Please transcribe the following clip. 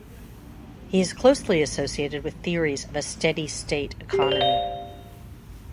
He is closely associated with theories of a steady-state economy.